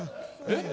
えっ？